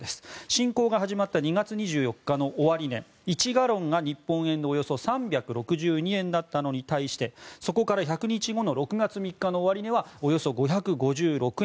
侵攻が始まった２月２４日の終値１ガロンが日本円でおよそ３６２円だったのに対してそこから１００日後の６月３日の終値はおよそ５５６円。